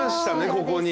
ここに。